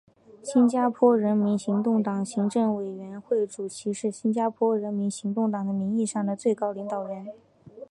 新加坡人民行动党行政委员会主席是新加坡人民行动党的名义上的最高领导人。